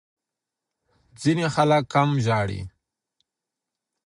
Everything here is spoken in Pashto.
ځینې خلک کم ژاړي.